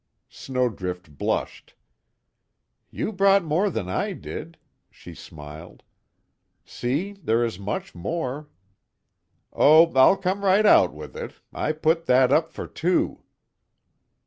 Snowdrift blushed: "You brought more than I did!" she smiled, "See there is much more." "Oh, I'll come right out with it I put that up for two!"